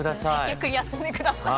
ゆっくり休んで下さい。